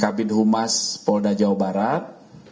kabin humas polda jawa barat